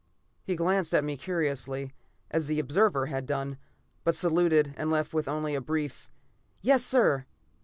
He glanced at me curiously, as the observer had done, but saluted and left with only a brief, "Yes, sir!"